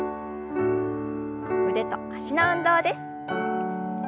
腕と脚の運動です。